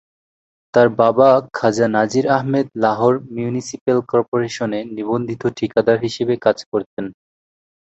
তার বাবা খাজা নাজির আহমেদ লাহোর মিউনিসিপ্যাল কর্পোরেশনে নিবন্ধিত ঠিকাদার হিসেবে কাজ করতেন।